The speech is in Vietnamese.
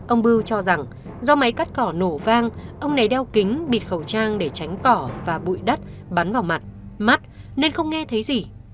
ông bưu cho rằng do máy cắt cỏ nổ vang ông này đeo kính bịt khẩu trang để tránh cỏ và bụi đất bắn vào mặt mắt nên không nghe thấy gì